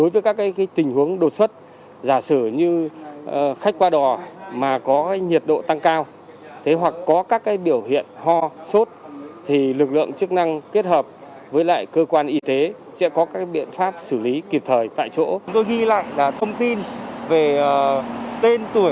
với kết hợp với cả sở y tế và chúng tôi đã có những địch bản trong trường hợp và những trường hợp mà chúng tôi nghi ngờ